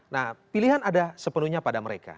nah pilihan ada sepenuhnya pada mereka